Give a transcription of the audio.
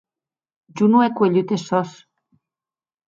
Jo non è cuelhut es sòs!